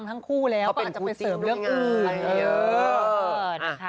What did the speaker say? เขาเป็นผู้จริงด้วยกัน